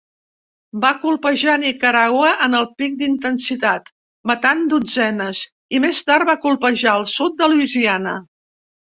Va colpejar Nicaragua en el pic d'intensitat, matant dotzenes, i més tard va colpejar al sud de Louisiana.